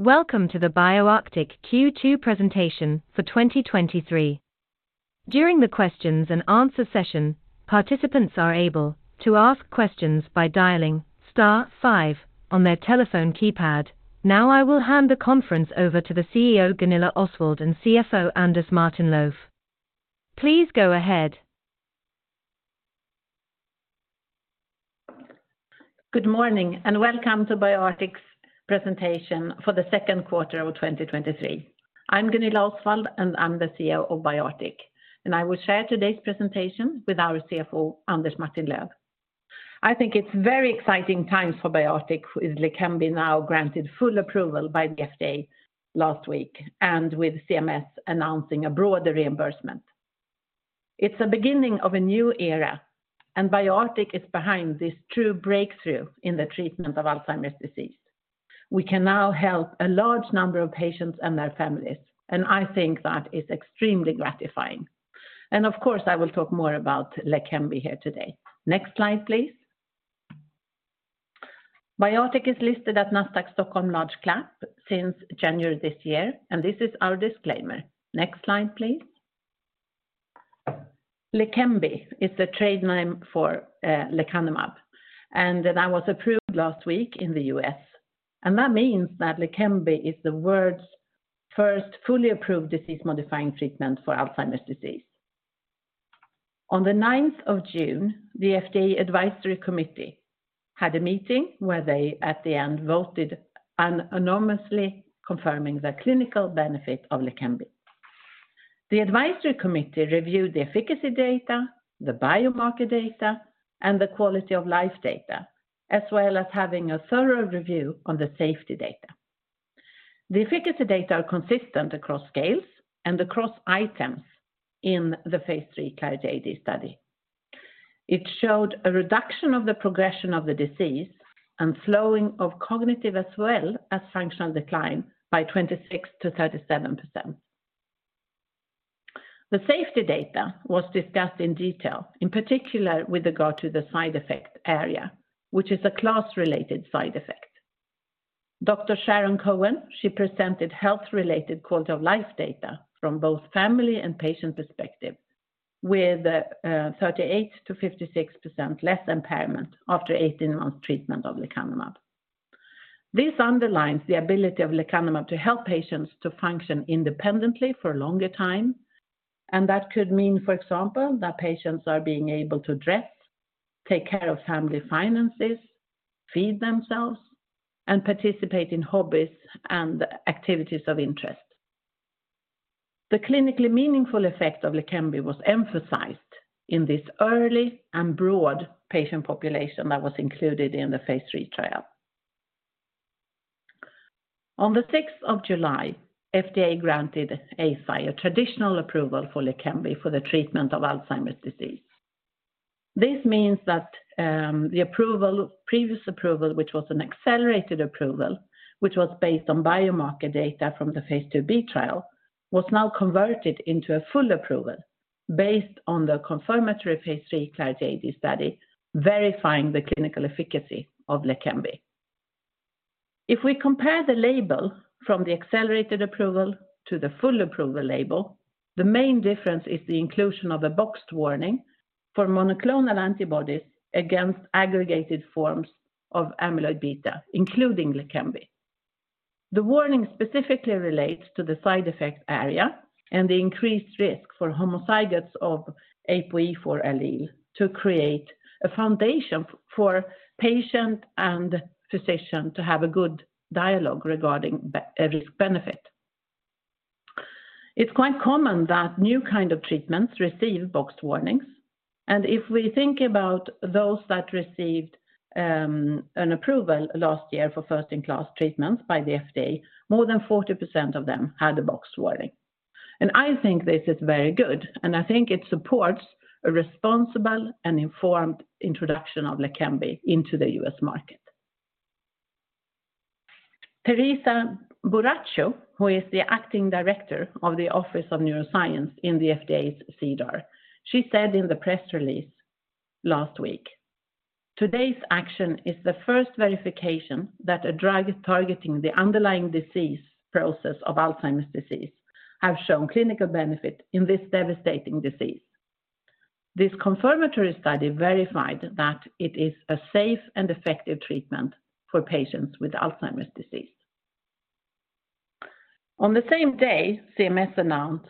Welcome to the BioArctic Q2 presentation for 2023. During the questions and answer session, participants are able to ask questions by dialing star five on their telephone keypad. Now, I will hand the conference over to the CEO, Gunilla Osswald, and CFO, Anders Martin-Löf. Please go ahead. Good morning, and welcome to BioArctic's presentation for the 2Q of 2023. I'm Gunilla Osswald, and I'm the CEO of BioArctic, and I will share today's presentation with our CFO, Anders Martin-Löf. I think it's very exciting times for BioArctic, with Leqembi now granted full approval by the FDA last week, and with CMS announcing a broader reimbursement. It's a beginning of a new era, and BioArctic is behind this true breakthrough in the treatment of Alzheimer's disease. We can now help a large number of patients and their families, and I think that is extremely gratifying. Of course, I will talk more about Leqembi here today. Next slide, please. BioArctic is listed at Nasdaq Stockholm Large Cap since January this year, and this is our disclaimer. Next slide, please. Leqembi is the trade name for lecanemab, and that was approved last week in the U.S. That means that Leqembi is the world's first fully approved disease-modifying treatment for Alzheimer's disease. On the ninth of June, the FDA advisory committee had a meeting where they, at the end, voted unanimously, confirming the clinical benefit of Leqembi. The advisory committee reviewed the efficacy data, the biomarker data, and the quality of life data, as well as having a thorough review on the safety data. The efficacy data are consistent across scales and across items in the Phase 3 CLARITY AD study. It showed a reduction of the progression of the disease and slowing of cognitive as well as functional decline by 26%-37%. The safety data was discussed in detail, in particular with regard to the side effect ARIA, which is a class-related side effect. Sharon Cohen, she presented health-related quality of life data from both family and patient perspective, with 38%-56% less impairment after 18 months treatment of lecanemab. This underlines the ability of lecanemab to help patients to function independently for a longer time, that could mean, for example, that patients are being able to dress, take care of family finances, feed themselves, and participate in hobbies and activities of interest. The clinically meaningful effect of Leqembi was emphasized in this early and broad patient population that was included in the Phase 3 trial. On the sixth of July, FDA granted Eisai a traditional approval for Leqembi for the treatment of Alzheimer's disease. This means that the approval, previous approval, which was an accelerated approval, which was based on biomarker data from the Phase 2b trial, was now converted into a full approval based on the confirmatory Phase 3 Clarity AD study, verifying the clinical efficacy of Leqembi. We compare the label from the accelerated approval to the full approval label, the main difference is the inclusion of a boxed warning for monoclonal antibodies against aggregated forms of amyloid beta, including Leqembi. The warning specifically relates to the side effect area and the increased risk for homozygous of APOE4 allele to create a foundation for patient and physician to have a good dialogue regarding the risk-benefit. It's quite common that new kind of treatments receive boxed warnings. If we think about those that received an approval last year for first-in-class treatments by the FDA, more than 40% of them had a box warning. I think this is very good, and I think it supports a responsible and informed introduction of Leqembi into the U.S. market. Teresa Buracchio, who is the acting director of the Office of Neuroscience in the FDA's CDER, she said in the press release last week, "Today's action is the first verification that a drug is targeting the underlying disease process of Alzheimer's disease, have shown clinical benefit in this devastating disease. This confirmatory study verified that it is a safe and effective treatment for patients with Alzheimer's disease." On the same day, CMS announced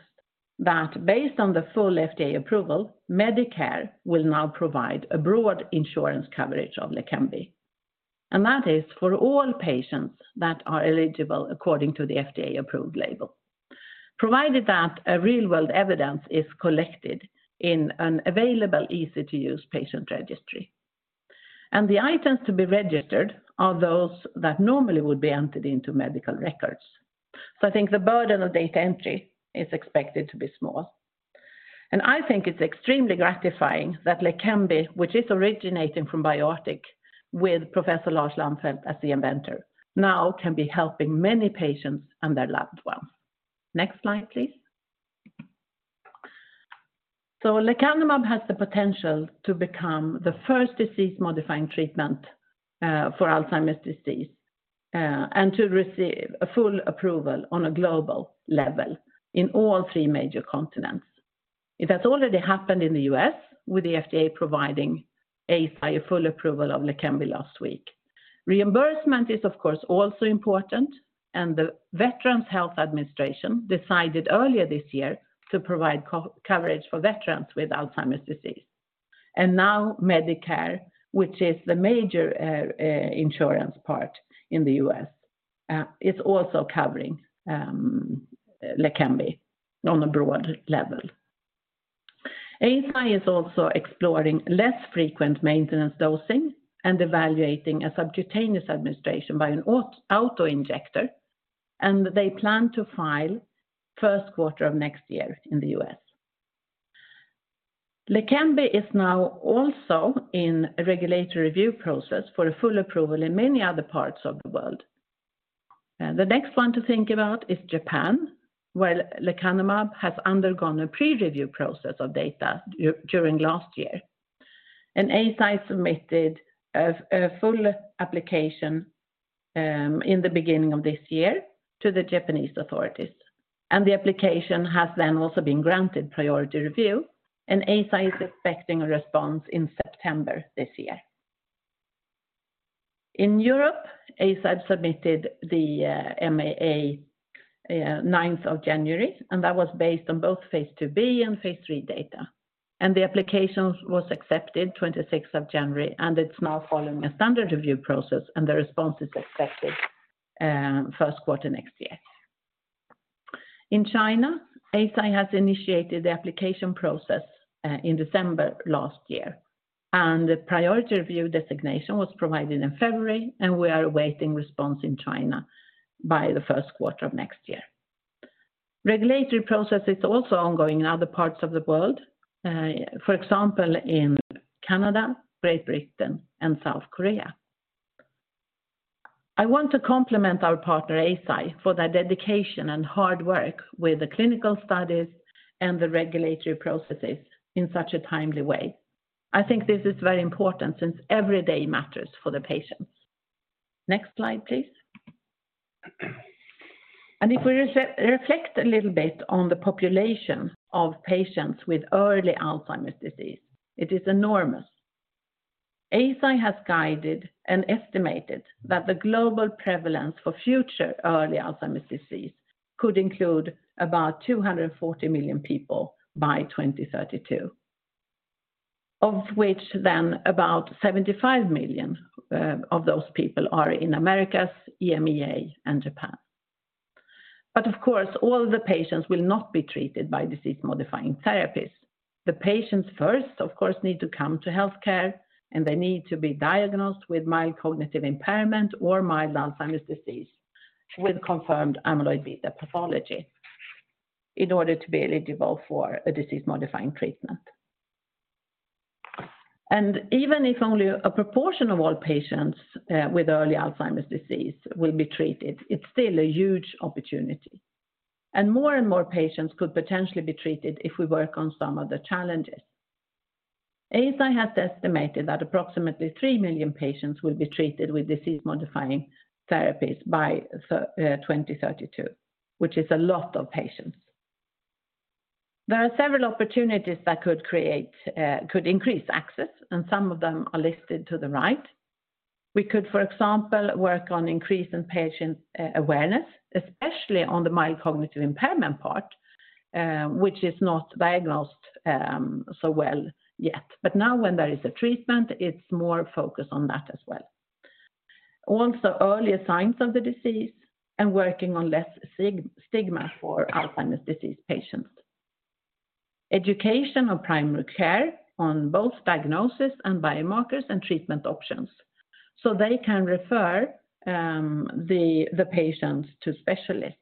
that based on the full FDA approval, Medicare will now provide a broad insurance coverage of Leqembi. That is for all patients that are eligible according to the FDA-approved label, provided that a real-world evidence is collected in an available, easy-to-use patient registry. The items to be registered are those that normally would be entered into medical records. I think the burden of data entry is expected to be small. I think it's extremely gratifying that Leqembi, which is originating from BioArctic with Professor Lars Lannfelt as the inventor, now can be helping many patients and their loved ones. Next slide, please. lecanemab has the potential to become the first disease-modifying treatment for Alzheimer's disease and to receive a full approval on a global level in all three major continents. It has already happened in the U.S., with the FDA providing Eisai full approval of Leqembi last week. Reimbursement is, of course, also important, and the Veterans Health Administration decided earlier this year to provide co- coverage for veterans with Alzheimer's disease. Now Medicare, which is the major insurance part in the U.S., is also covering Leqembi on a broad level. Eisai is also exploring less frequent maintenance dosing and evaluating a subcutaneous administration by an auto injector, and they plan to file first quarter of next year in the U.S. Leqembi is now also in a regulatory review process for a full approval in many other parts of the world. The next one to think about is Japan, where lecanemab has undergone a pre-review process of data during last year. Eisai submitted a full application in the beginning of this year to the Japanese authorities, the application has then also been granted priority review, Eisai is expecting a response in September this year. In Europe, Eisai submitted the MAA ninth of January, that was based on both Phase 2b and Phase 3 data. The applications was accepted 26th of January, it's now following a standard review process, the response is expected first quarter next year. In China, Eisai has initiated the application process in December last year, the priority review designation was provided in February, we are awaiting response in China by the first quarter of next year. Regulatory process is also ongoing in other parts of the world, for example, in Canada, Great Britain, and South Korea. I want to compliment our partner, Eisai, for their dedication and hard work with the clinical studies and the regulatory processes in such a timely way. I think this is very important since every day matters for the patients. Next slide, please. If we reflect a little bit on the population of patients with early Alzheimer's disease, it is enormous. Eisai has guided and estimated that the global prevalence for future early Alzheimer's disease could include about 240 million people by 2032, of which then about 75 million of those people are in Americas, EMEA, and Japan. Of course, all the patients will not be treated by disease-modifying therapies. The patients first, of course, need to come to healthcare, and they need to be diagnosed with mild cognitive impairment or mild Alzheimer's disease, with confirmed amyloid beta pathology, in order to be eligible for a disease-modifying treatment. Even if only a proportion of all patients with early Alzheimer's disease will be treated, it's still a huge opportunity. More and more patients could potentially be treated if we work on some of the challenges. Eisai has estimated that approximately 3 million patients will be treated with disease-modifying therapies by 2032, which is a lot of patients. There are several opportunities that could create, could increase access, and some of them are listed to the right. We could, for example, work on increasing patient awareness, especially on the mild cognitive impairment part, which is not diagnosed so well yet. Now when there is a treatment, it's more focused on that as well. Also, earlier signs of the disease and working on less stigma for Alzheimer's disease patients. Education of primary care on both diagnosis and biomarkers and treatment options, so they can refer the patients to specialists.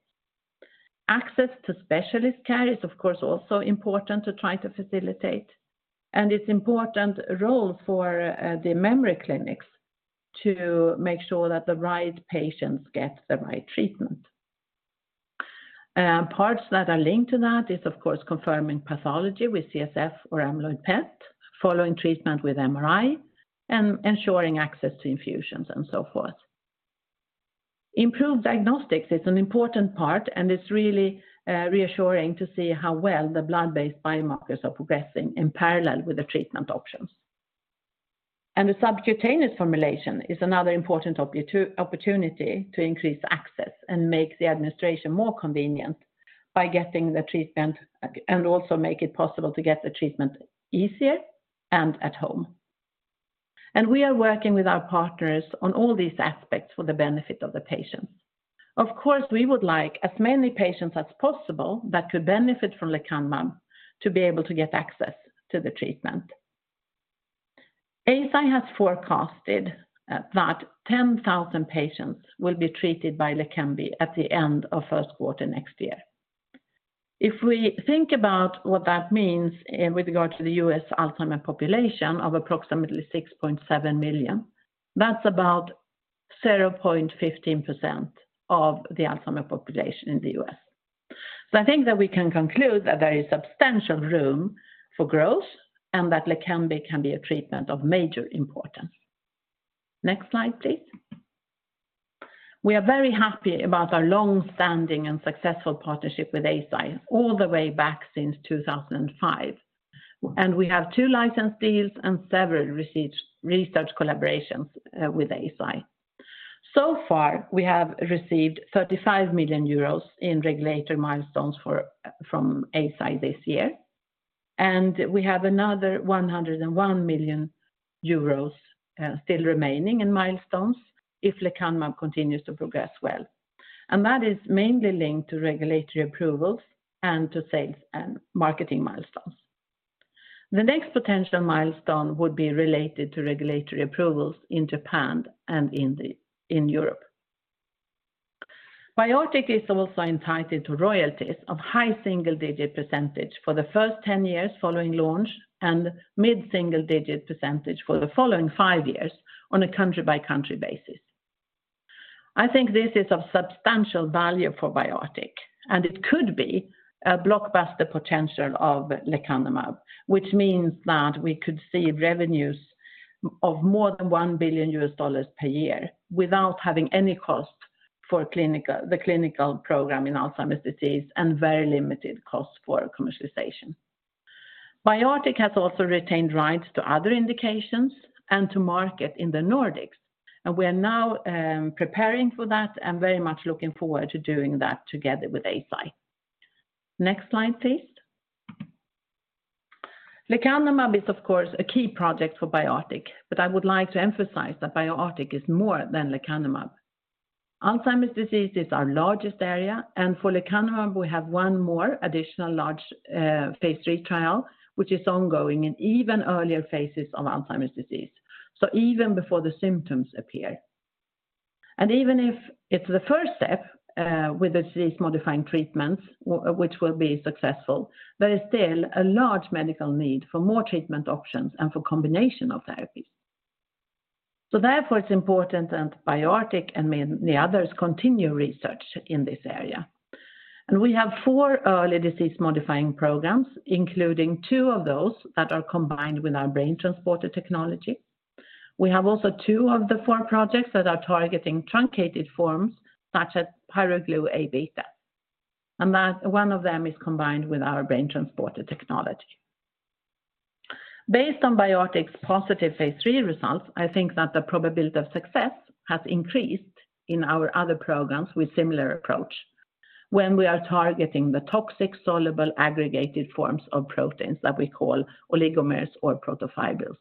Access to specialist care is, of course, also important to try to facilitate, and it's important role for the memory clinics to make sure that the right patients get the right treatment. Parts that are linked to that is, of course, confirming pathology with CSF or amyloid PET, following treatment with MRI, and ensuring access to infusions and so forth. Improved diagnostics is an important part, and it's really reassuring to see how well the blood-based biomarkers are progressing in parallel with the treatment options. The subcutaneous formulation is another important opportunity to increase access and make the administration more convenient by getting the treatment and also make it possible to get the treatment easier and at home. We are working with our partners on all these aspects for the benefit of the patients. Of course, we would like as many patients as possible that could benefit from lecanemab to be able to get access to the treatment. Eisai has forecasted that 10,000 patients will be treated by Leqembi at the end of 1st quarter next year. If we think about what that means with regard to the U.S. Alzheimer's population of approximately 6.7 million, that's 0.15% of the Alzheimer's population in the U.S. I think that we can conclude that there is substantial room for growth, and that Leqembi can be a treatment of major importance. Next slide, please. We are very happy about our long-standing and successful partnership with Eisai, all the way back since 2005, and we have two license deals and several research collaborations with Eisai. Far, we have received 35 million euros in regulatory milestones for, from Eisai this year, and we have another 101 million euros still remaining in milestones if lecanemab continues to progress well. That is mainly linked to regulatory approvals and to sales and marketing milestones. The next potential milestone would be related to regulatory approvals in Japan and in Europe. BioArctic is also entitled to royalties of high single-digit % for the first 10 years following launch, and mid-single-digit % for the following five years on a country-by-country basis. I think this is of substantial value for BioArctic, and it could be a blockbuster potential of lecanemab, which means that we could see revenues of more than $1 billion per year without having any cost for clinical, the clinical program in Alzheimer's disease, and very limited cost for commercialization. BioArctic has also retained rights to other indications and to market in the Nordics, and we are now preparing for that and very much looking forward to doing that together with Eisai. Next slide, please. lecanemab is, of course, a key project for BioArctic, but I would like to emphasize that BioArctic is more than lecanemab. Alzheimer's disease is our largest area, for Leqembi, we have one more additional large phase III trial, which is ongoing in even earlier phases of Alzheimer's disease, so even before the symptoms appear. Even if it's the first step with the disease-modifying treatments, which will be successful, there is still a large medical need for more treatment options and for combination of therapies. Therefore, it's important that BioArctic and many others continue research in this area. We have four early disease-modifying programs, including two of those that are combined with our BrainTransporter technology. We have also two of the four projects that are targeting truncated forms, such as PyroGlu-Aβ, and that one of them is combined with our BrainTransporter technology. Based on BioArctic's positive Phase 3 results, I think that the probability of success has increased in our other programs with similar approach when we are targeting the toxic, soluble, aggregated forms of proteins that we call oligomers or protofibrils.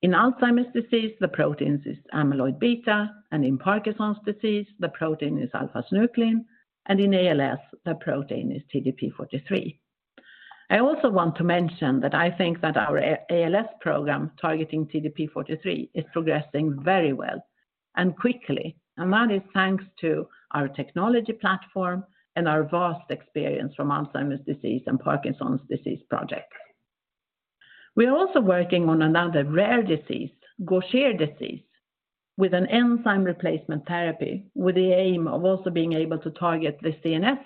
In Alzheimer's disease, the proteins is amyloid beta. In Parkinson's disease, the protein is alpha-synuclein. In ALS, the protein is TDP-43. I also want to mention that I think that our ALS program, targeting TDP-43, is progressing very well and quickly. That is thanks to our technology platform and our vast experience from Alzheimer's disease and Parkinson's disease project. We are also working on another rare disease, Gaucher disease, with an enzyme replacement therapy, with the aim of also being able to target the CNS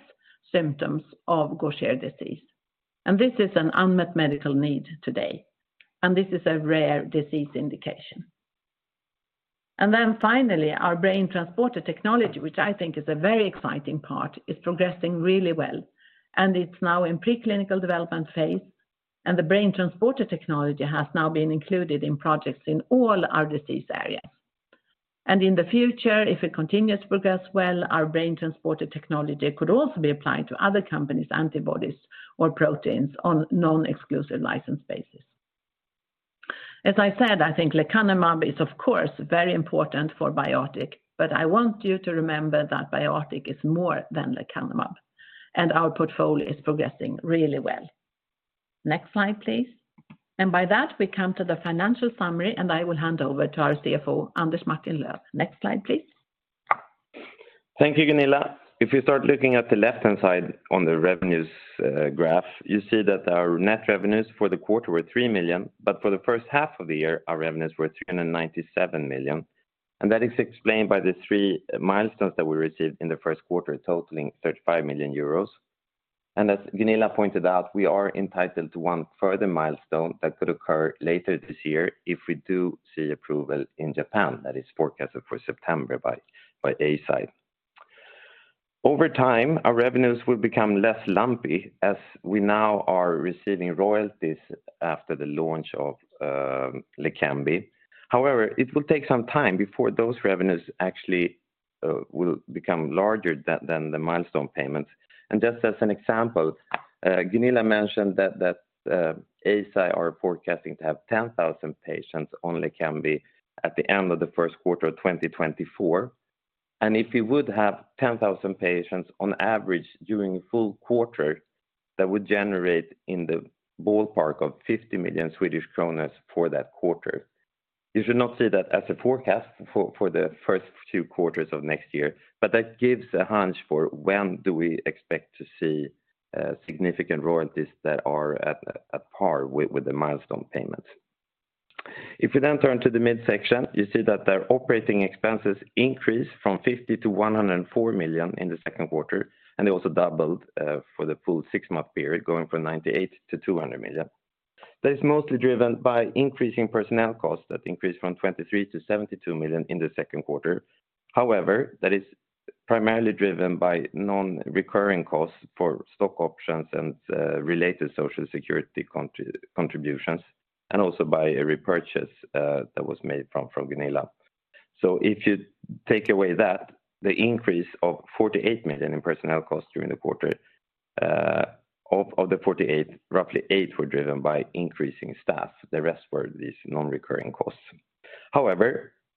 symptoms of Gaucher disease. This is an unmet medical need today. This is a rare disease indication. Finally, our BrainTransporter technology, which I think is a very exciting part, is progressing really well. It's now in preclinical development phase. The BrainTransporter technology has now been included in projects in all our disease areas. In the future, if it continues to progress well, our BrainTransporter technology could also be applied to other companies, antibodies, or proteins on non-exclusive license basis. As I said, I think Leqembi is, of course, very important for BioArctic, I want you to remember that BioArctic is more than Leqembi, our portfolio is progressing really well. Next slide, please. By that, we come to the financial summary, I will hand over to our CFO, Anders Martin-Löf. Next slide, please. Thank you, Gunilla. If you start looking at the left-hand side on the revenues, graph, you see that our net revenues for the quarter were 3 million. For the first half of the year, our revenues were 397 million. That is explained by the three milestones that we received in the first quarter, totaling 35 million euros. As Gunilla pointed out, we are entitled to one further milestone that could occur later this year if we do see approval in Japan. That is forecasted for September by Eisai. Over time, our revenues will become less lumpy as we now are receiving royalties after the launch of Leqembi. However, it will take some time before those revenues actually will become larger than the milestone payments. Just as an example, Gunilla mentioned that Eisai are forecasting to have 10,000 patients on Leqembi at the end of the first quarter of 2024. If we would have 10,000 patients on average during a full quarter, that would generate in the ballpark of 50 million Swedish kronor for that quarter. You should not see that as a forecast for the first two quarters of next year, but that gives a hunch for when do we expect to see significant royalties that are at par with the milestone payments. If you then turn to the midsection, you see that their operating expenses increased from 50 million-104 million in the second quarter. They also doubled for the full six-month period, going from 98 million-200 million. That is mostly driven by increasing personnel costs that increased from 23 million-72 million in the second quarter. That is primarily driven by non-recurring costs for stock options and related social security contributions, and also by a repurchase that was made from Gunilla Osswald. If you take away that, the increase of 48 million in personnel costs during the quarter, of the 48 million, roughly 8 million were driven by increasing staff. The rest were these non-recurring costs.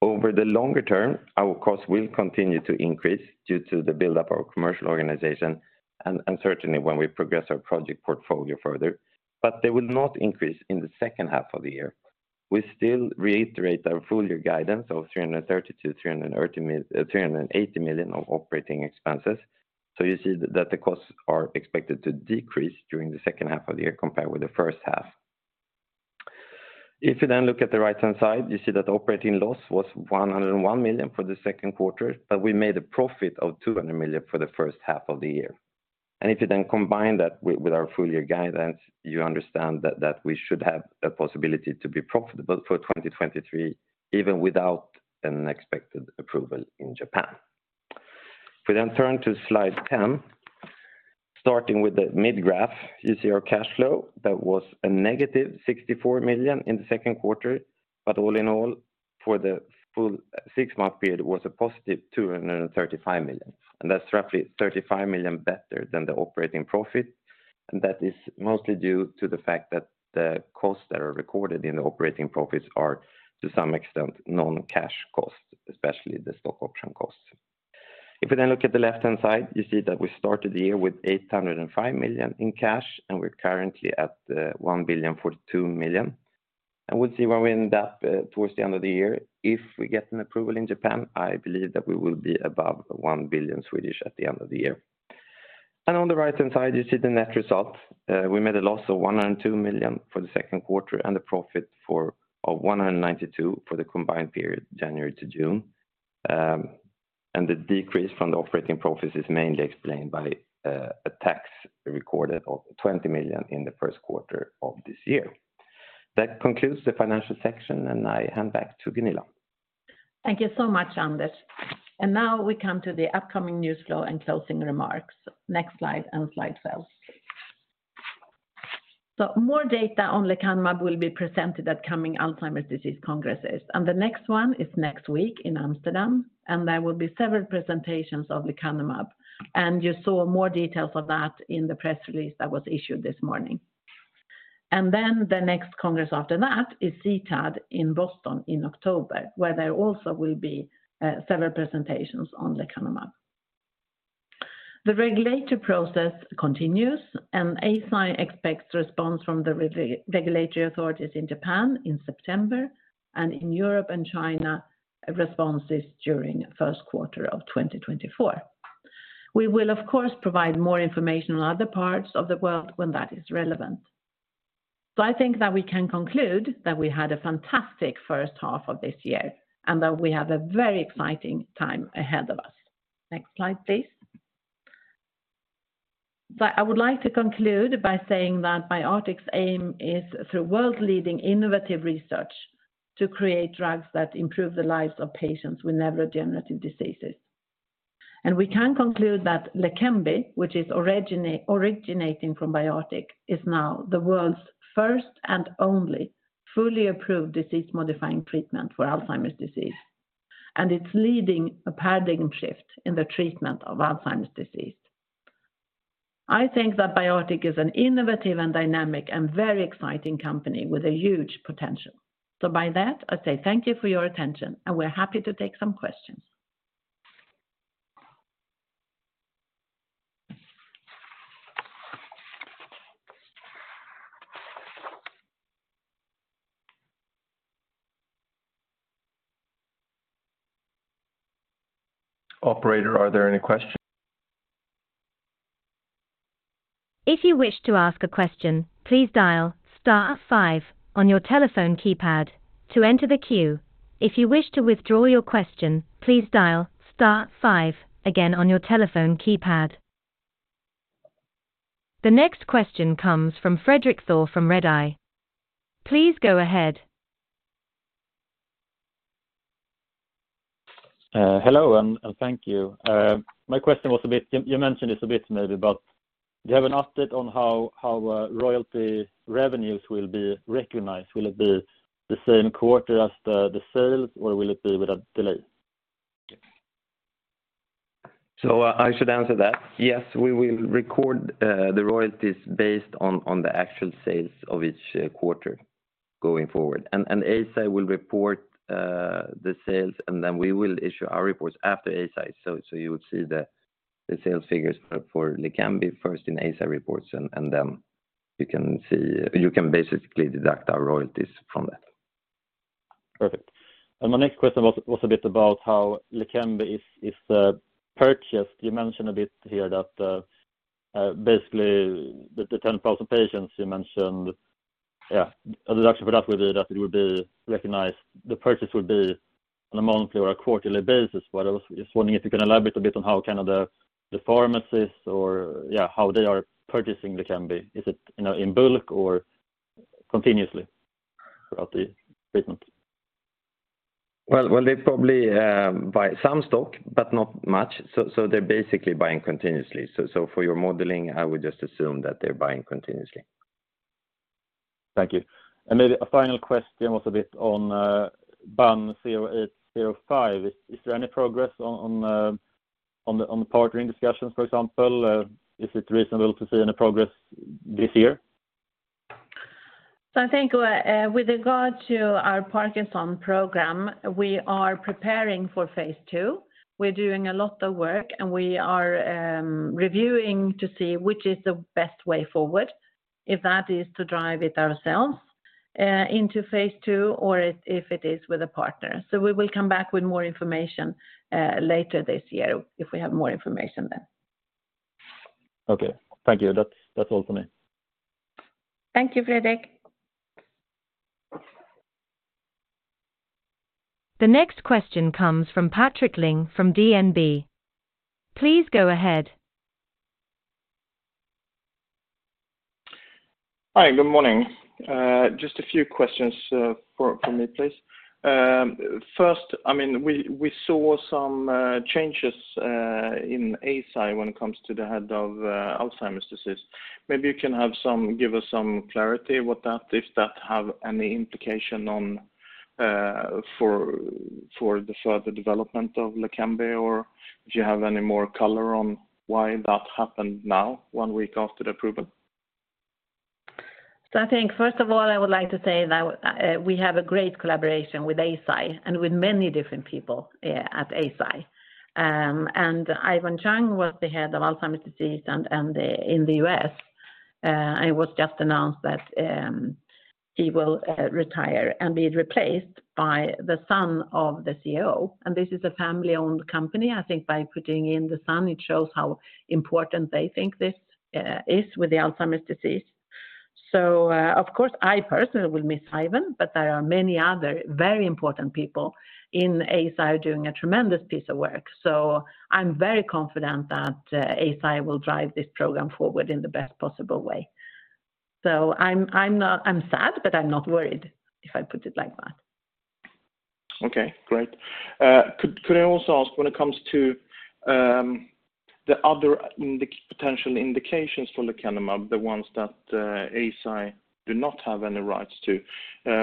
Over the longer term, our costs will continue to increase due to the buildup of our commercial organization and certainly when we progress our project portfolio further, but they will not increase in the second half of the year. We still reiterate our full year guidance of 330 million-380 million of operating expenses. You see that the costs are expected to decrease during the second half of the year compared with the first half. If you then look at the right-hand side, you see that the operating loss was 101 million for the second quarter. We made a profit of 200 million for the first half of the year. If you then combine that with our full year guidance, you understand that we should have the possibility to be profitable for 2023, even without an expected approval in Japan. We turn to slide 10. Starting with the mid graph, you see our cash flow. That was -64 million in the second quarter, but all in all, for the full six-month period, it was a positive 235 million, and that's roughly 35 million better than the operating profit. That is mostly due to the fact that the costs that are recorded in the operating profits are, to some extent, non-cash costs, especially the stock option costs. If you look at the left-hand side, you see that we started the year with 805 million in cash, and we're currently at 1,042 million. We'll see where we end up towards the end of the year. If we get an approval in Japan, I believe that we will be above 1 billion at the end of the year. On the right-hand side, you see the net result. We made a loss of 102 million for the second quarter and a profit of 192 million for the combined period, January to June. The decrease from the operating profits is mainly explained by a tax recorded of 20 million in the first quarter of this year. That concludes the financial section, I hand back to Gunilla. Thank you so much, Anders. Now we come to the upcoming news flow and closing remarks. Next slide, cells. More data on lecanemab will be presented at coming Alzheimer's disease congresses, and the next one is next week in Amsterdam, and there will be several presentations of lecanemab. You saw more details of that in the press release that was issued this morning. The next congress after that is CTAD in Boston in October, where there also will be several presentations on lecanemab. The regulatory process continues, and Eisai expects response from the regulatory authorities in Japan in September, and in Europe and China, responses during first quarter of 2024. We will, of course, provide more information on other parts of the world when that is relevant. I think that we can conclude that we had a fantastic first half of this year, and that we have a very exciting time ahead of us. Next slide, please. I would like to conclude by saying that BioArctic's aim is, through world-leading innovative research, to create drugs that improve the lives of patients with neurodegenerative diseases. We can conclude that Leqembi, which is originating from BioArctic, is now the world's first and only fully approved disease-modifying treatment for Alzheimer's disease, and it's leading a paradigm shift in the treatment of Alzheimer's disease. I think that BioArctic is an innovative and dynamic and very exciting company with a huge potential. By that, I say thank you for your attention, and we're happy to take some questions. Operator, are there any questions? If you wish to ask a question, please dial star five on your telephone keypad to enter the queue. If you wish to withdraw your question, please dial star five again on your telephone keypad. The next question comes from Fredrik Thor from Redeye. Please go ahead. Hello, and thank you. My question was a bit... You mentioned this a bit maybe, but do you have an update on how royalty revenues will be recognized? Will it be the same quarter as the sales, or will it be with a delay? I should answer that. Yes, we will record the royalties based on the actual sales of each quarter going forward. Eisai will report the sales, and then we will issue our reports after Eisai. You would see the sales figures for Leqembi first in Eisai reports, and then you can basically deduct our royalties from that. Perfect. My next question was a bit about how Leqembi is purchased. You mentioned a bit here that the 10,000 patients you mentioned, a reduction for that would be that it would be recognized, the purchase would be on a monthly or a quarterly basis. I was just wondering if you can elaborate a bit on how kind of the pharmacies or how they are purchasing Leqembi. Is it, you know, in bulk or continuously throughout the treatment? Well, they probably buy some stock, but not much. They're basically buying continuously. For your modeling, I would just assume that they're buying continuously. Thank you. Maybe a final question was a bit on BAN0805. Is there any progress on the partnering discussions, for example? Is it reasonable to see any progress this year? I think, with regard to our Parkinson program, we are preparing for Phase 2. We're doing a lot of work, and we are, reviewing to see which is the best way forward, if that is to drive it ourselves, into Phase 2 or if it is with a partner. We will come back with more information, later this year, if we have more information then. Okay. Thank you. That's all for me. Thank you, Fredrik. The next question comes from Patrik Ling from DNB. Please go ahead. Hi, good morning. Just a few questions from me, please. First, I mean, we saw some changes in Eisai when it comes to the head of Alzheimer's disease. Maybe you can give us some clarity with that, if that have any implication on for the further development of Leqembi, or do you have any more color on why that happened now, 1 week after the approval? I think, first of all, I would like to say that we have a great collaboration with Eisai and with many different people at Eisai. Ivan Cheung was the head of Alzheimer's disease and the, in the U.S., and it was just announced that he will retire and be replaced by the son of the CEO, and this is a family-owned company. I think by putting in the son, it shows how important they think this is with Alzheimer's disease. Of course, I personally will miss Ivan, but there are many other very important people in Eisai doing a tremendous piece of work. I'm very confident that Eisai will drive this program forward in the best possible way. I'm sad, but I'm not worried, if I put it like that. Okay, great. Could I also ask when it comes to the other potential indications for lecanemab, the ones that Eisai do not have any rights to?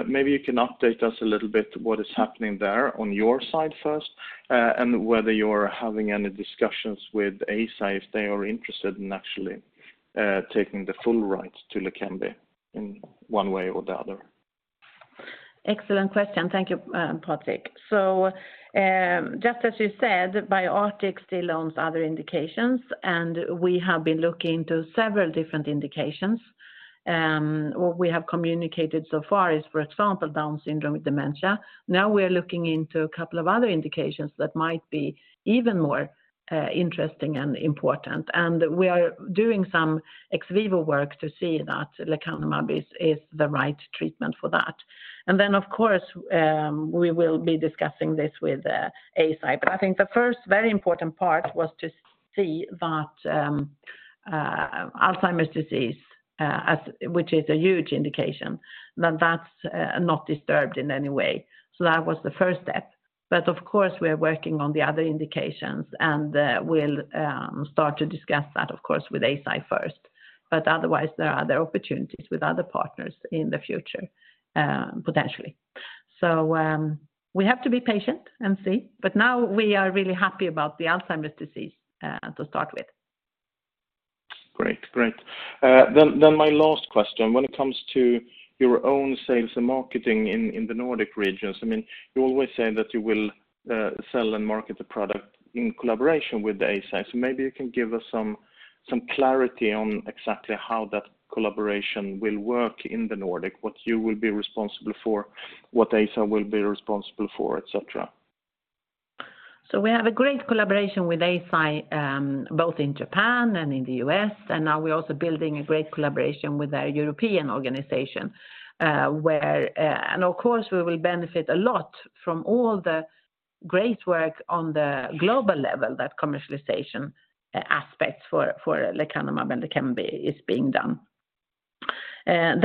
Maybe you can update us a little bit what is happening there on your side first, and whether you're having any discussions with Eisai, if they are interested in actually taking the full rights to Leqembi in one way or the other. Excellent question. Thank you, Patrik. Just as you said, BioArctic still owns other indications, and we have been looking into several different indications. What we have communicated so far is, for example, Down syndrome with dementia. Now we're looking into a couple of other indications that might be even more interesting and important. We are doing some ex vivo work to see that lecanemab is the right treatment for that. Of course, we will be discussing this with Eisai. I think the first very important part was to see that Alzheimer's disease, which is a huge indication, that that's not disturbed in any way. That was the first step. Of course, we are working on the other indications, and we'll start to discuss that, of course, with Eisai first. Otherwise, there are other opportunities with other partners in the future, potentially. We have to be patient and see, but now we are really happy about the Alzheimer's disease, to start with. Great. My last question, when it comes to your own sales and marketing in the Nordic regions, I mean, you always say that you will sell and market the product in collaboration with the Eisai. Maybe you can give us some clarity on exactly how that collaboration will work in the Nordic, what you will be responsible for, what Eisai will be responsible for, et cetera. We have a great collaboration with Eisai, both in Japan and in the U.S., and now we're also building a great collaboration with our European organization, where, and of course, we will benefit a lot from all the great work on the global level, that commercialization aspects for lecanemab and Leqembi is being done. A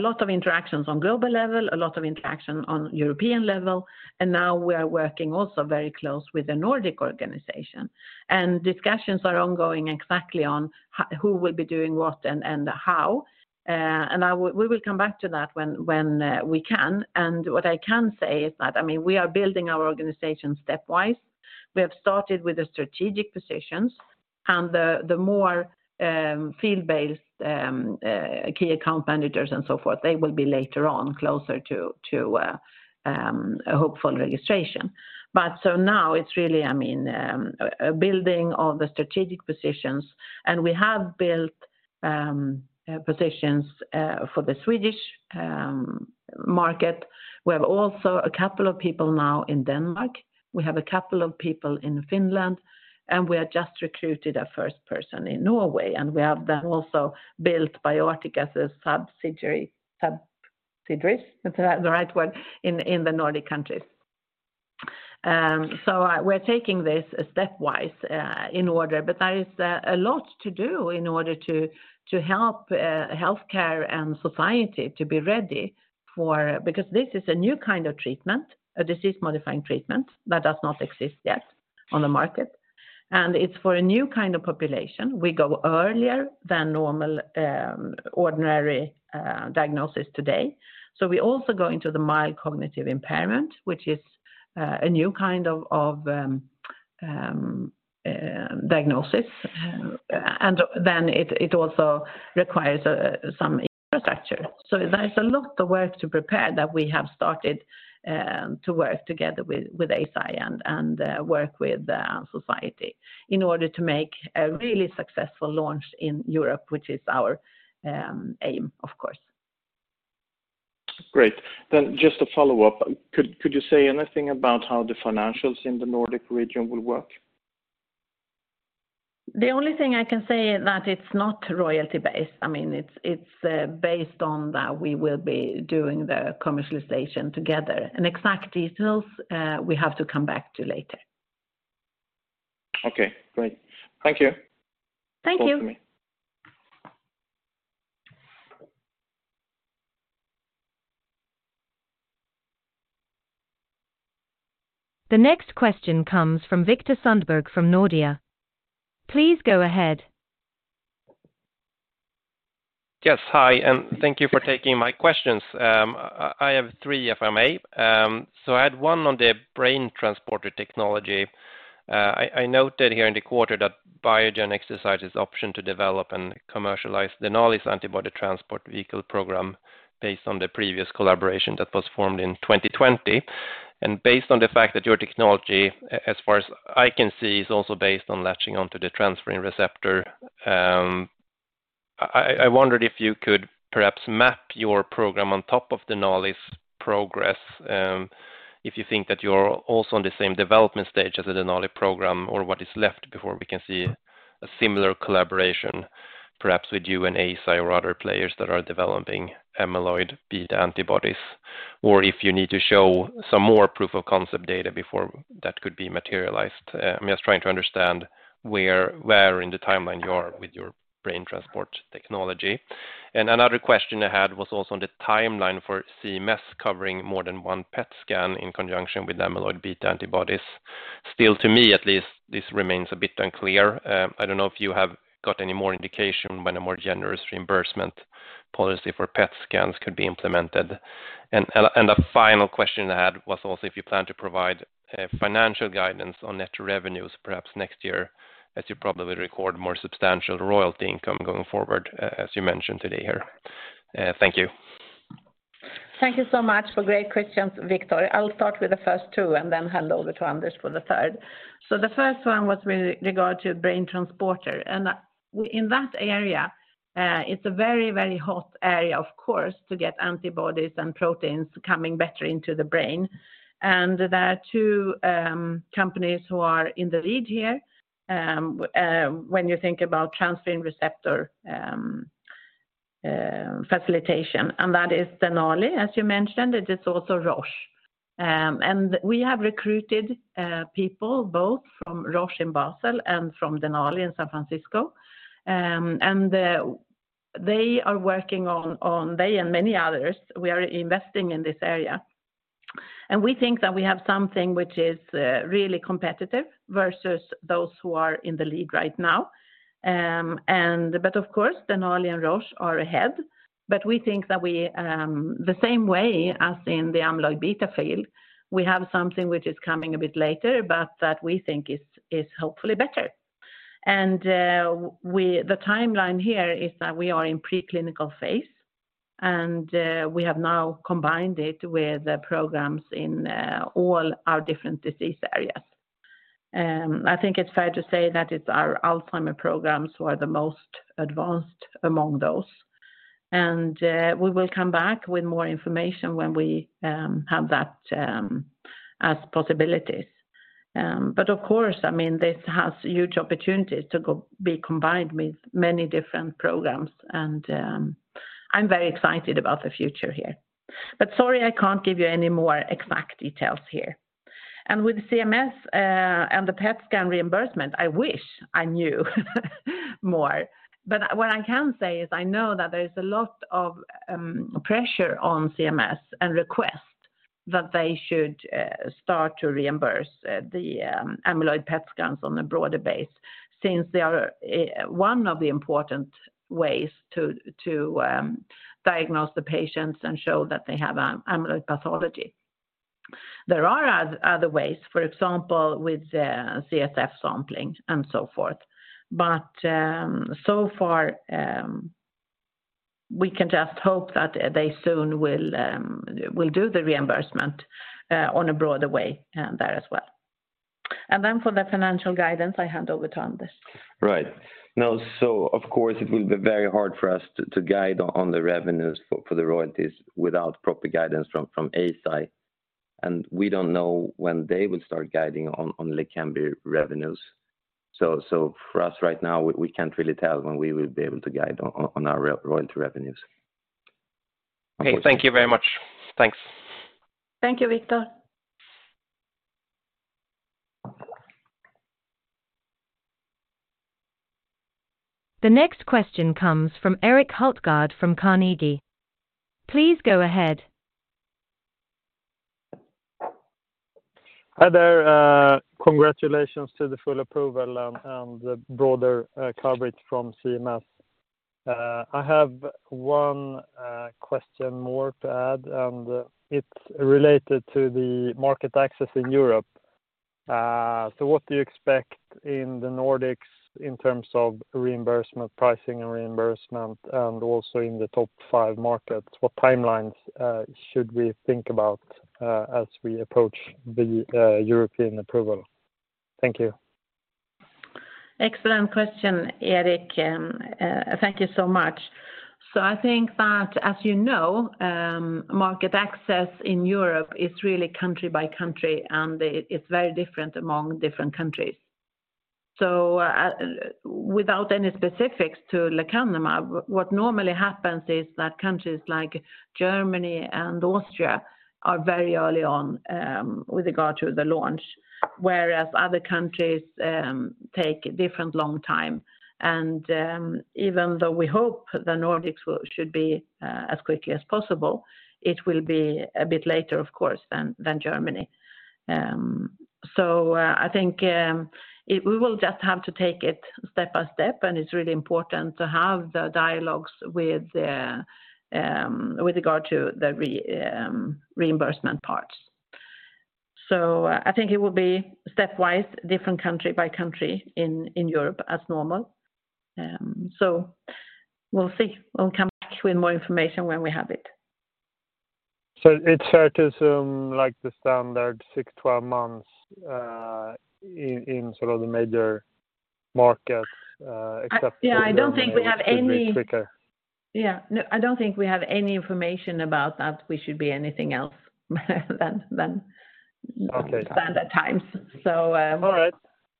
lot of interactions on global level, a lot of interaction on European level, and now we are working also very close with the Nordic organization. Discussions are ongoing exactly who will be doing what and how, and we will come back to that when we can. What I can say is that, I mean, we are building our organization stepwise. We have started with the strategic positions, and the more field-based key account managers and so forth, they will be later on, closer to a hopeful registration. Now it's really, I mean, building all the strategic positions, and we have built positions for the Swedish market. We have also a couple of people now in Denmark. We have a couple of people in Finland, and we have just recruited our first person in Norway, and we have then also built BioArctic as subsidiaries, is that the right word, in the Nordic countries. We're taking this stepwise in order, but there is a lot to do in order to help healthcare and society to be ready because this is a new kind of treatment, a disease-modifying treatment that does not exist yet on the market, and it's for a new kind of population. We go earlier than normal, ordinary diagnosis today. We also go into the mild cognitive impairment, which is a new kind of diagnosis, and then it also requires some infrastructure. There is a lot of work to prepare that we have started to work together with Eisai and work with society in order to make a really successful launch in Europe, which is our aim, of course. Great. Just a follow-up. Could you say anything about how the financials in the Nordic region will work? The only thing I can say is that it's not royalty-based. I mean, it's based on that we will be doing the commercialization together. Exact details, we have to come back to later. Okay, great. Thank you. Thank you. Talk to me. The next question comes from Viktor Sundberg from Nordea. Please go ahead. Hi, and thank you for taking my questions. I have three, if I may. I had one on the BrainTransporter technology. I noted here in the quarter that Biogen exercises option to develop and commercialize the Denali's Antibody Transport Vehicle program based on the previous collaboration that was formed in 2020. Based on the fact that your technology, as far as I can see, is also based on latching onto the transferrin receptor, I wondered if you could perhaps map your program on top of Denali's progress, if you think that you're also on the same development stage as the Denali program, or what is left before we can see a similar collaboration, perhaps with you and Eisai or other players that are developing amyloid beta antibodies, or if you need to show some more proof of concept data before that could be materialized. I'm just trying to understand where in the timeline you are with your brain transport technology. Another question I had was also on the timeline for CMS covering more than one PET scan in conjunction with amyloid beta antibodies. Still, to me at least, this remains a bit unclear. I don't know if you have got any more indication when a more generous reimbursement policy for PET scans could be implemented. The final question I had was also if you plan to provide financial guidance on net revenues, perhaps next year, as you probably record more substantial royalty income going forward, as you mentioned today here. Thank you. Thank you so much for great questions, Viktor. I'll start with the first two and then hand over to Anders for the third. The first one was with regard to BrainTransporter, and in that area, it's a very, very hot area, of course, to get antibodies and proteins coming better into the brain. There are two companies who are in the lead here, when you think about transferrin receptor facilitation, and that is Denali, as you mentioned, it is also Roche. We have recruited people both from Roche in Basel and from Denali in San Francisco. They are working on they and many others, we are investing in this area, and we think that we have something which is really competitive versus those who are in the league right now. Of course, Denali and Roche are ahead, but we think that we, the same way as in the amyloid beta field, we have something which is coming a bit later, but that we think is hopefully better. The timeline here is that we are in preclinical phase, and we have now combined it with the programs in all our different disease areas. I think it's fair to say that it's our Alzheimer's programs who are the most advanced among those. We will come back with more information when we have that as possibilities. Of course, I mean, this has huge opportunities to be combined with many different programs, and I'm very excited about the future here. Sorry, I can't give you any more exact details here. With CMS and the PET scan reimbursement, I wish I knew more. What I can say is I know that there is a lot of pressure on CMS and request that they should start to reimburse the amyloid PET scans on a broader base, since they are one of the important ways to diagnose the patients and show that they have an amyloid pathology. There are other ways, for example, with CSF sampling and so forth. So far, we can just hope that they soon will do the reimbursement on a broader way there as well. For the financial guidance, I hand over to Anders. Right. Now, of course, it will be very hard for us to guide on the revenues for the royalties without proper guidance from Eisai, and we don't know when they will start guiding on Leqembi revenues. For us right now, we can't really tell when we will be able to guide on our royalty revenues. Okay, thank you very much. Thanks. Thank you, Viktor. The next question comes from Erik Hultgård from Carnegie. Please go ahead. Hi there, congratulations to the full approval and the broader coverage from CMS. I have one question more to add, and it's related to the market access in Europe. What do you expect in the Nordics in terms of reimbursement, pricing and reimbursement, and also in the top five markets? What timelines should we think about as we approach the European approval? Thank you. Excellent question, Erik, thank you so much. I think that, as you know, market access in Europe is really country by country, and it's very different among different countries. Without any specifics to lecanemab, what normally happens is that countries like Germany and Austria are very early on with regard to the launch, whereas other countries take different long time. Even though we hope the Nordics should be as quickly as possible, it will be a bit later, of course, than Germany. I think we will just have to take it step by step, and it's really important to have the dialogues with the with regard to the reimbursement parts. I think it will be stepwise, different country by country in Europe as normal. We'll see. We'll come back with more information when we have it. It's fair to assume, like the standard six, 12 months, in sort of the major markets. Yeah, I don't think we have. Quicker. Yeah. No, I don't think we have any information about that we should be anything else than. Okay. Standard times. All right.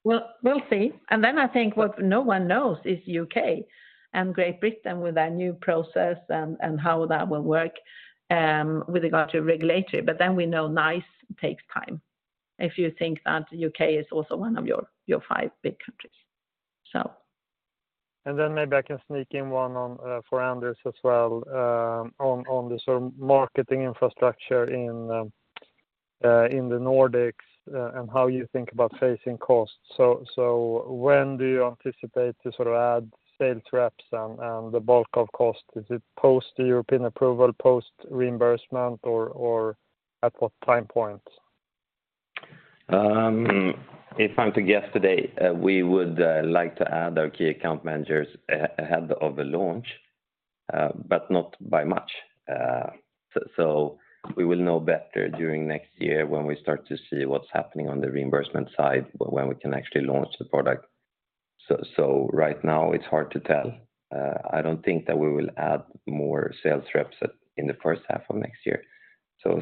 Well, we'll see. I think what no one knows is U.K. and Great Britain with their new process and how that will work with regard to regulatory, we know NICE takes time. If you think that U.K. is also one of your five big countries. Maybe I can sneak in one on for Anders as well, on the sort of marketing infrastructure in the Nordics, and how you think about facing costs. When do you anticipate to sort of add sales reps and the bulk of cost? Is it post-European approval, post-reimbursement, or at what time point? If I'm to guess today, we would like to add our key account managers ahead of the launch, but not by much. We will know better during next year when we start to see what's happening on the reimbursement side, but when we can actually launch the product. Right now, it's hard to tell. I don't think that we will add more sales reps in the first half of next year.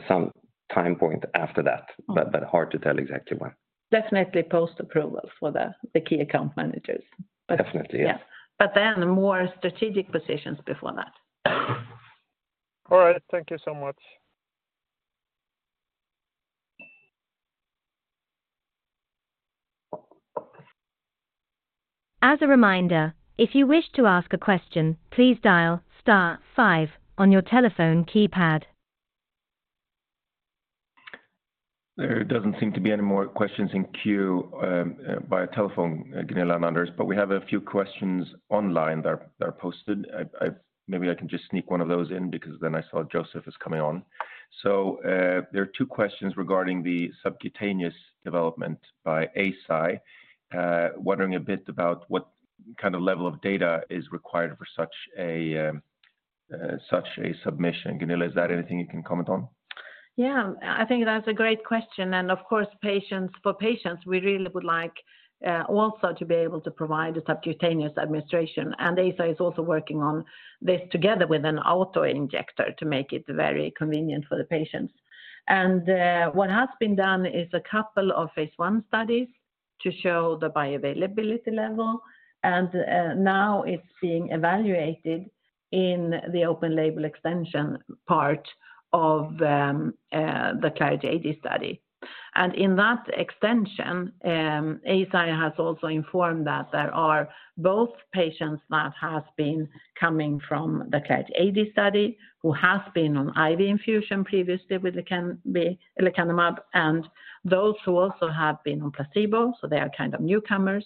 Some time point after that, but hard to tell exactly when. Definitely post-approval for the key account managers. Definitely, yes. Yeah. More strategic positions before that. All right. Thank you so much. As a reminder, if you wish to ask a question, please dial star five on your telephone keypad. There doesn't seem to be any more questions in queue, by telephone, Gunilla and Anders, but we have a few questions online that are posted. Maybe I can just sneak one of those in because then I saw Joseph is coming on. There are two questions regarding the subcutaneous development by Eisai, wondering a bit about what kind of level of data is required for such a submission. Gunilla, is that anything you can comment on? Yeah, I think that's a great question. Of course, patients, for patients, we really would like also to be able to provide a subcutaneous administration. Eisai is also working on this together with an auto-injector to make it very convenient for the patients. What has been done is a couple of Phase 1 studies to show the bioavailability level, now it's being evaluated in the open-label extension part of the Clarity AD study. In that extension, Eisai has also informed that there are both patients that has been coming from the Clarity AD study, who have been on IV infusion previously with lecanemab, and those who also have been on placebo, so they are kind of newcomers.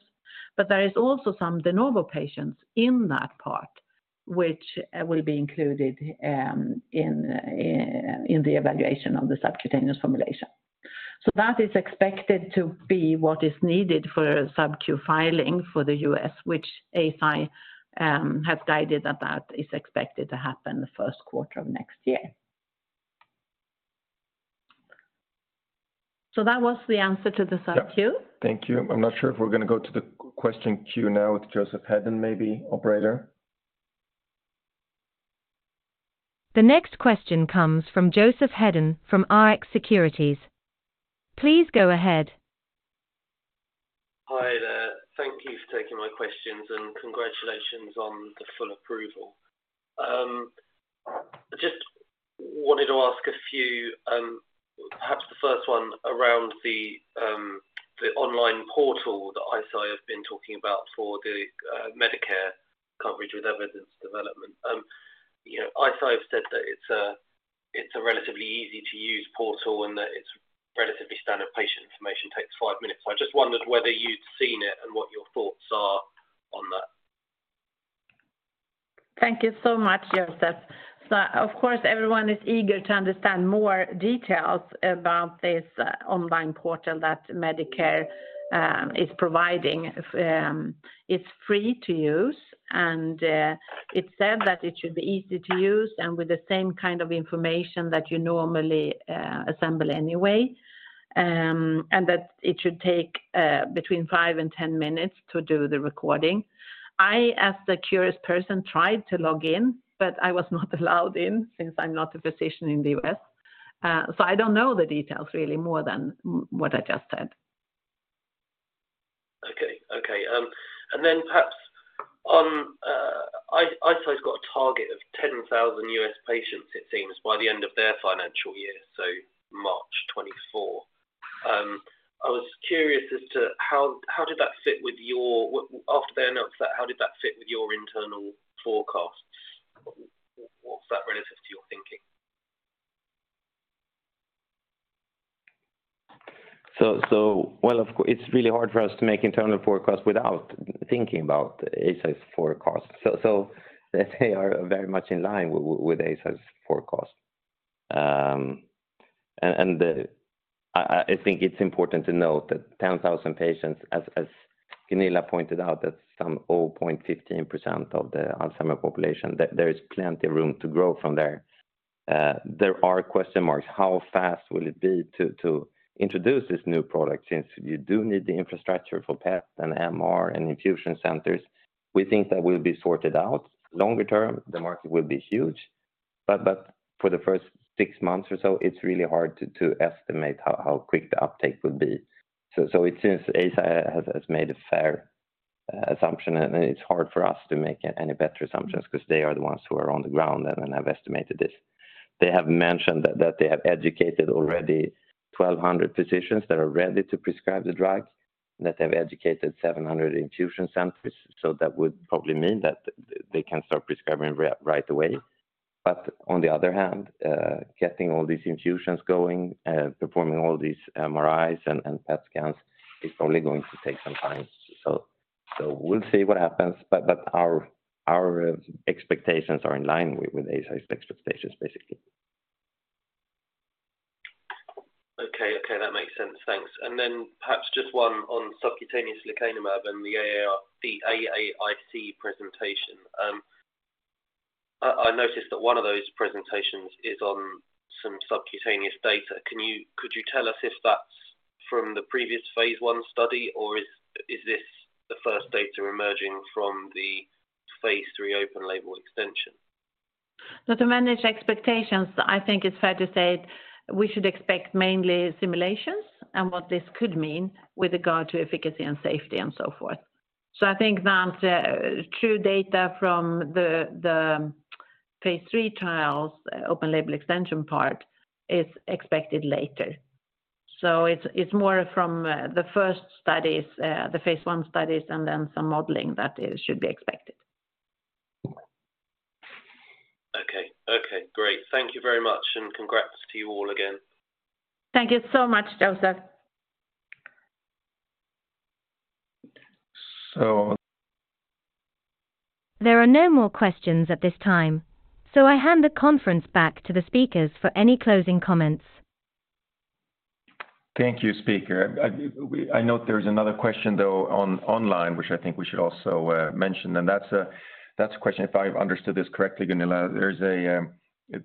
There is also some de novo patients in that part, which will be included in the evaluation of the subcutaneous formulation. That is expected to be what is needed for a sub-Q filing for the U.S., which Eisai have guided that is expected to happen the first quarter of next year. That was the answer to the sub-Q. Yeah. Thank you. I'm not sure if we're going to go to the question queue now with Joseph Hedden, maybe, operator? The next question comes from Joseph Hedden, from Rx Securities. Please go ahead. Hi there. Thank you for taking my questions. Congratulations on the full approval. I just wanted to ask a few, perhaps the first one around the online portal that Eisai have been talking about for the Medicare Coverage with Evidence Development. You know, Eisai have said that it's a, it's a relatively easy-to-use portal and that it's relatively standard patient information, takes five minutes. I just wondered whether you'd seen it and what your thoughts are on that. Thank you so much, Joseph. Of course, everyone is eager to understand more details about this online portal that Medicare is providing. It's free to use, and it's said that it should be easy to use and with the same kind of information that you normally assemble anyway. That it should take between five and 10 minutes to do the recording. I, as the curious person, tried to log in, but I was not allowed in since I'm not a physician in the U.S. I don't know the details, really, more than what I just said. Okay. Okay, then perhaps on, Eisai's got a target of 10,000 U.S. patients, it seems, by the end of their financial year, so March 2024. I was curious as to how did that fit with your after their notes, how did that fit with your internal forecast? What's that relative to your thinking? Well it's really hard for us to make internal forecasts without thinking about Eisai's forecast. Let's say are very much in line with Eisai's forecast. I think it's important to note that 10,000 patients, as Gunilla pointed out, that's some 0.15% of the Alzheimer population. There is plenty of room to grow from there. There are question marks, how fast will it be to introduce this new product, since you do need the infrastructure for PET and MR and infusion centers. We think that will be sorted out. Longer term, the market will be huge, but for the first six months or so, it's really hard to estimate how quick the uptake would be. It seems Eisai has made a fair assumption, and it's hard for us to make any better assumptions because they are the ones who are on the ground and have estimated this. They have mentioned that they have educated already 1,200 physicians that are ready to prescribe the drug, and that they have educated 700 infusion centers. That would probably mean that they can start prescribing right away. On the other hand, getting all these infusions going, performing all these MRIs and PET scans, is probably going to take some time. We'll see what happens, but our expectations are in line with Eisai's expectations, basically. Okay. Okay, that makes sense. Thanks. Perhaps just one on subcutaneous lecanemab and the AAIC presentation. I noticed that one of those presentations is on some subcutaneous data. Could you tell us if that's from the previous Phase 1 study, or is this the first data emerging from the phase 3 open-label extension? To manage expectations, I think it's fair to say we should expect mainly simulations and what this could mean with regard to efficacy and safety and so forth. I think that true data from the Phase 3 trials, open-label extension part, is expected later. It's, it's more from the first studies, the Phase 1 studies, and then some modeling that it should be expected. Okay. Okay, great. Thank you very much, and congrats to you all again. Thank you so much, Joseph. So- There are no more questions at this time, so I hand the conference back to the speakers for any closing comments. Thank you, speaker. I note there is another question, though, online, which I think we should also mention, and that's a question, if I've understood this correctly, Gunilla. There's a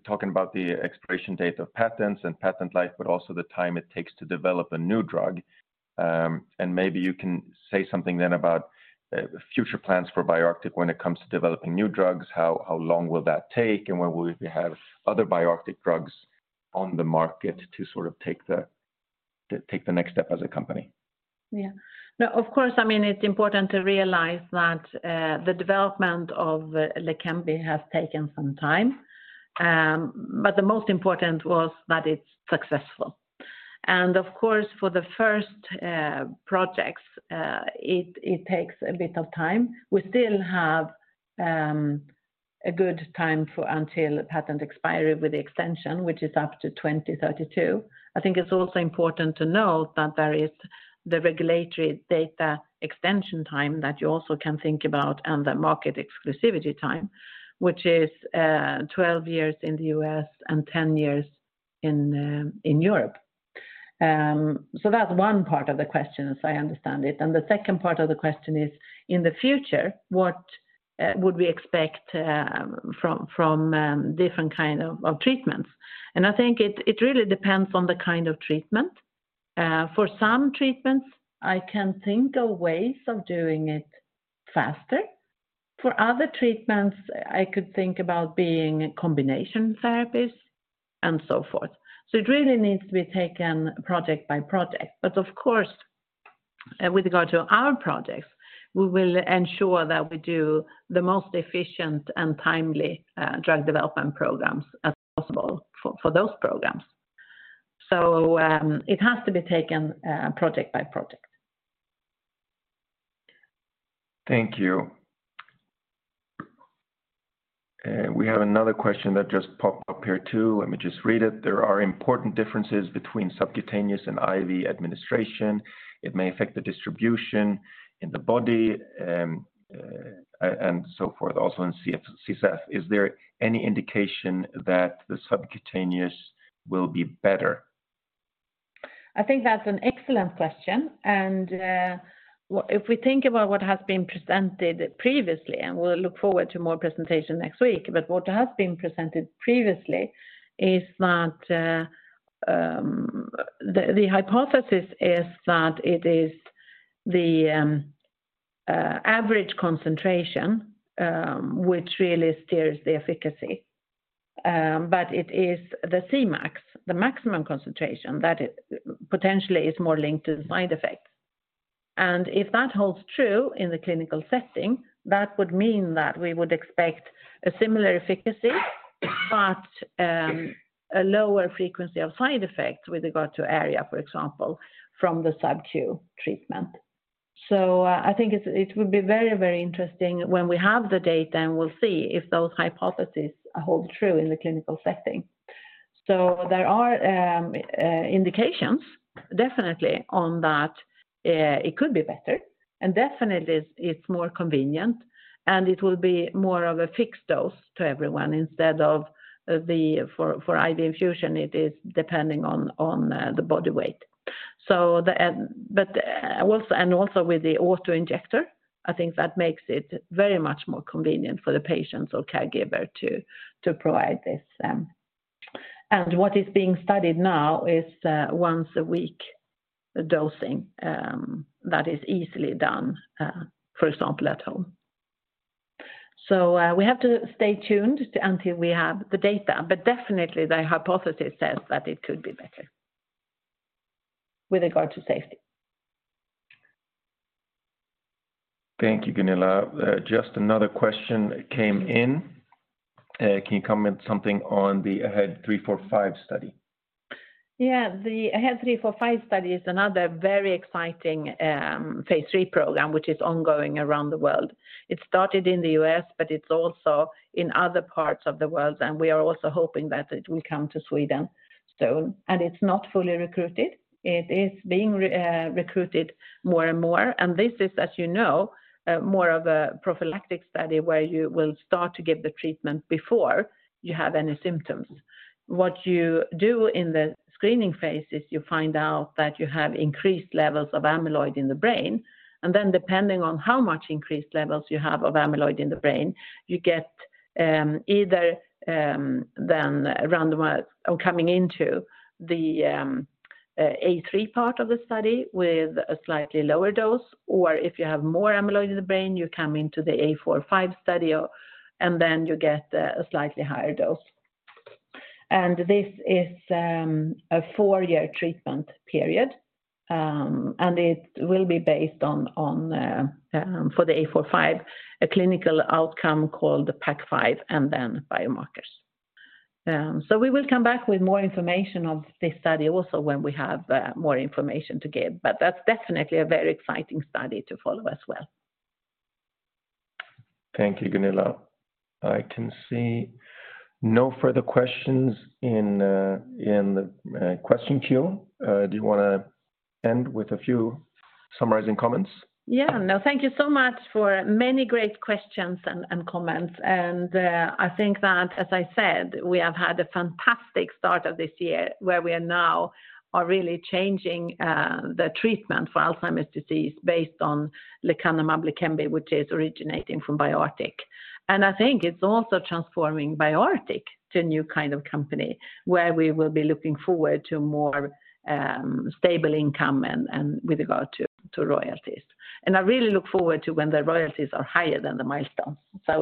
talking about the expiration date of patents and patent life, but also the time it takes to develop a new drug. Maybe you can say something then about future plans for BioArctic when it comes to developing new drugs, how long will that take, and when will we have other BioArctic drugs on the market to sort of take the next step as a company? Yeah. Now, of course, I mean, it's important to realize that the development of Leqembi has taken some time, but the most important was that it's successful. Of course, for the first projects, it takes a bit of time. We still have a good time for until patent expiry with the extension, which is up to 2032. I think it's also important to note that there is the regulatory data extension time that you also can think about and the market exclusivity time, which is 12 years in the U.S. and 10 years in Europe. That's one part of the question, as I understand it. The second part of the question is, in the future, what would we expect from different kind of treatments? I think it really depends on the kind of treatment. For some treatments, I can think of ways of doing it faster. For other treatments, I could think about being combination therapies and so forth. It really needs to be taken project by project. Of course, with regard to our projects, we will ensure that we do the most efficient and timely drug development programs as possible for those programs. It has to be taken project by project. Thank you. We have another question that just popped up here, too. Let me just read it. There are important differences between subcutaneous and IV administration. It may affect the distribution in the body, and so forth, also in CSF. Is there any indication that the subcutaneous will be better? I think that's an excellent question. If we think about what has been presented previously, and we'll look forward to more presentation next week, but what has been presented previously is that the hypothesis is that it is the average concentration which really steers the efficacy. It is the Cmax, the maximum concentration, that it potentially is more linked to the side effects. If that holds true in the clinical setting, that would mean that we would expect a similar efficacy, but a lower frequency of side effects with regard to ARIA, for example, from the sub-Q treatment. I think it would be very, very interesting when we have the data, and we'll see if those hypotheses hold true in the clinical setting. There are indications, definitely, on that it could be better, and definitely it's more convenient, and it will be more of a fixed dose to everyone instead of for IV infusion, it is depending on the body weight. Also, with the auto injector, I think that makes it very much more convenient for the patients or caregiver to provide this. What is being studied now is once a week dosing that is easily done, for example, at home. We have to stay tuned until we have the data, but definitely the hypothesis says that it could be better with regard to safety. Thank you, Gunilla. Just another question came in. Can you comment something on the AHEAD 3-45 study? Yeah, the AHEAD 3-45 study is another very exciting phase three program, which is ongoing around the world. It started in the U.S., but it's also in other parts of the world, and we are also hoping that it will come to Sweden soon. It's not fully recruited. It is being recruited more and more, and this is, as you know, more of a prophylactic study where you will start to give the treatment before you have any symptoms. What you do in the screening phase is you find out that you have increased levels of amyloid in the brain. Depending on how much increased levels you have of amyloid in the brain, you get either then randomized or coming into the A3 part of the study with a slightly lower dose, or if you have more amyloid in the brain, you come into the A45 study, and then you get a slightly higher dose. This is a four-year treatment period, and it will be based on for the A45, a clinical outcome called the PACC5, and then biomarkers. We will come back with more information on this study also when we have more information to give, but that's definitely a very exciting study to follow as well. Thank you, Gunilla. I can see no further questions in the question queue. Do you want to end with a few summarizing comments? Yeah. No, thank you so much for many great questions and comments. I think that, as I said, we have had a fantastic start of this year, where we are now really changing the treatment for Alzheimer's disease based on lecanemab-Leqembi, which is originating from BioArctic. I think it's also transforming BioArctic to a new kind of company, where we will be looking forward to more stable income and with regard to royalties. I really look forward to when the royalties are higher than the milestones.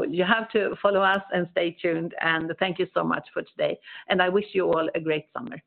You have to follow us and stay tuned, and thank you so much for today, and I wish you all a great summer.